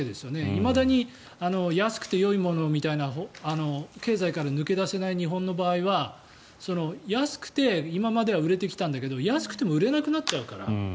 いまだに安くてよいものみたいな経済から抜け出せない日本の場合は安くて今までは売れてきたんだけど安くても売れなくなっちゃうから。